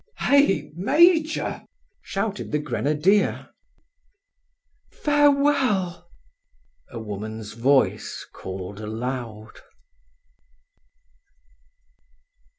"Hey! major!" shouted the grenadier. "Farewell!" a woman's voice called aloud.